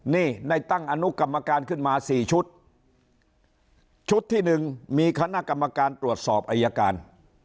นี่ได้ตั้งอนุกรรมการขึ้นมาสี่ชุดชุดที่หนึ่งมีคณะกรรมการตรวจสอบอายการ